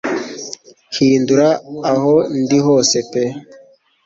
Hindura aho ndi hose pe